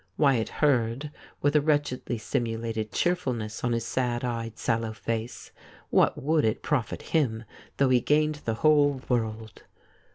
Wyatt heard with a wretchedly simulated cheerfulness on his sad eyed, sallow face. What would it profit him though he gained the whole world